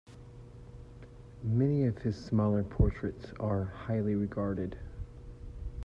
Many of his smaller portraits are highly regarded.